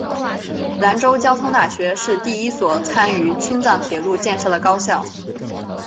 兰州交通大学是第一所参与青藏铁路建设的高校。